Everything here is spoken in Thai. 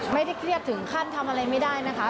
ไม่ได้เครียดถึงขั้นทำอะไรไม่ได้นะคะ